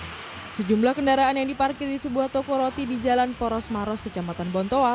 hai sejumlah kendaraan yang diparkir di sebuah toko roti di jalan poros maros kecamatan bontoa